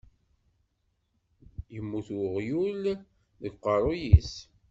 Yemmut weɣyul deg uqeṛṛuy-is.